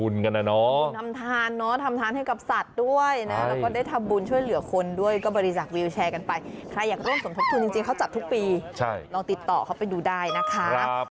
ลองติดต่อเขาไปดูได้นะคะ